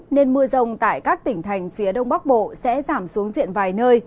nên mưa rông tại các tỉnh thành phía đông bắc bộ sẽ giảm xuống diện vài nơi